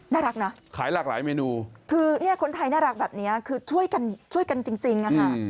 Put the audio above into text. น่ารักนะขายหลากหลายเมนูคือคนไทยน่ารักแบบนี้คือช่วยกันจริง